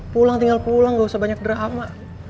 pulang tinggal pulang gak usah banyak drama